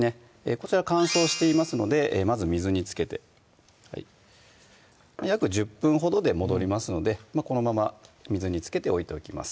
こちら乾燥していますのでまず水につけて約１０分ほどで戻りますのでこのまま水につけて置いておきます